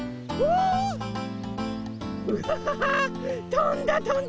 とんだとんだ！